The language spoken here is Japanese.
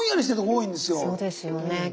そうですよね。